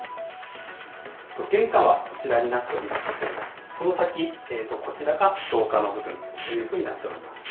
玄関はこちらになっておりまして、その先、こちらが廊下の部分というふうになっております。